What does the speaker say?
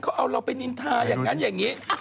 เขาเอาเราไปนินทาอย่างนั้นอย่างนี้